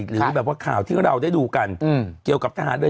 หรือแบบว่าข่าวที่เราได้ดูกันเกี่ยวกับทหารเรือ